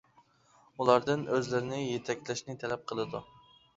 ئۇلاردىن ئۆزلىرىنى يېتەكلەشنى تەلەپ قىلىدۇ.